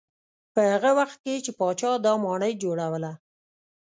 په هغه وخت کې چې پاچا دا ماڼۍ جوړوله.